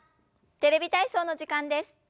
「テレビ体操」の時間です。